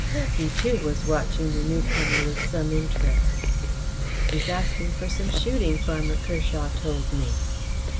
He, too, was watching the newcomer with some interest. "He is asking for some shooting, Farmer Kershaw told me."